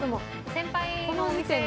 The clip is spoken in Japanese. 先輩。